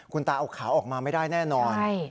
คุณตาเอาขาออกมาไม่ได้แน่นอน